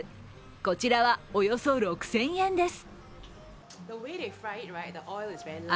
こちらはおよそ６０００円です。